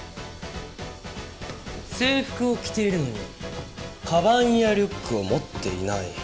制服を着ているのにかばんやリュックを持っていない。